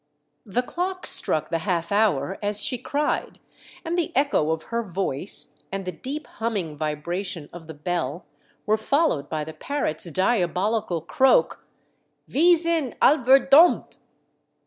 The clock struck the half hour as she cried, and the echo of her voice and the deep, humming vibration of the bell were followed by the parrot's diabolical croak: "Mb Sgn .il Dev&omO